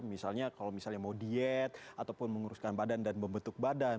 misalnya kalau misalnya mau diet ataupun menguruskan badan dan membentuk badan